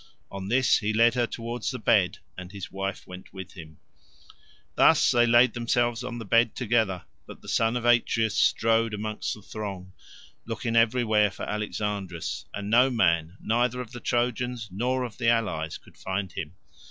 On this he led her towards the bed, and his wife went with him. Thus they laid themselves on the bed together; but the son of Atreus strode among the throng, looking everywhere for Alexandrus, and no man, neither of the Trojans nor of the allies, could find him.